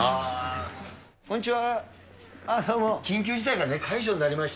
こんにちは。